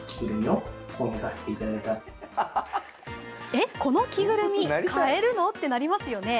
えっ、この着ぐるみ買えるの？となりますよね。